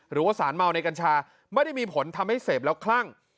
หรือว่าสารเมาในกัญชาไม่ได้มีผลทำให้เสพแล้วคลั่ง